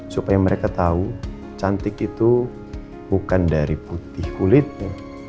supaya mereka tahu cantik itu bukan dari putih kulitnya